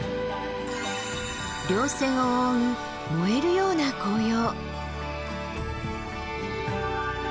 稜線を覆う燃えるような紅葉！